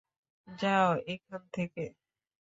যাও এখান থেকে।